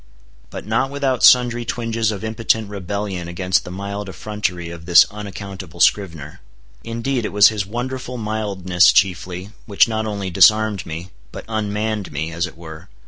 But not without sundry twinges of impotent rebellion against the mild effrontery of this unaccountable scrivener. Indeed, it was his wonderful mildness chiefly, which not only disarmed me, but unmanned me, as it were.